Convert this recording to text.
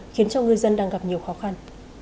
khiến cho ngư dân đang gặp nhiều khó khăn